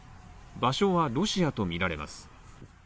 場所はロシアとみられます。